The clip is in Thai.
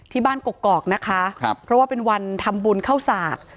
ที่บ้านกรกกรอกนะคะเพราะว่าเป็นวันทำบุญเข้าสาก